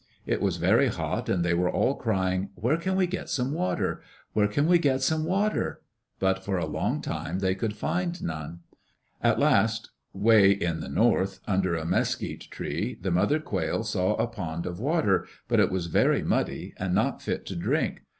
It was very hot and they were all crying, "Where can we get some water? Where can we get some water?" but for a long time they could find none. At last, way in the north, under a mesquite tree, the mother quail saw a pond of water, but it was very muddy and not fit to drink.